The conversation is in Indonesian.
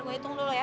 gue hitung dulu ya